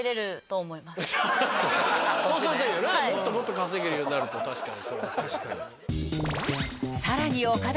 もっともっと稼げるようになると確かに。